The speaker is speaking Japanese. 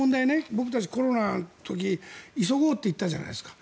僕たち、コロナの時急ごうといったじゃないですか。